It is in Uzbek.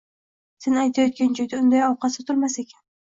Sen aytayotgan joyda unday ovqat sotilmas ekan.